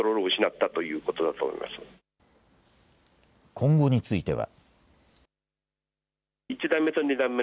今後については。